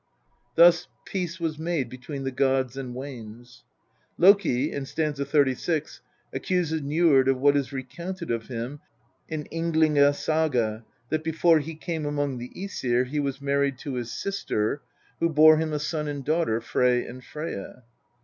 Thus peace was made between the gods and Wanes." Loki, in st. 36, accuses Njord of what is recounted of him in Ynglinga Saga, that before he came among the JEsir he was married to his sister, who bore him a son and daughter, and Freyja.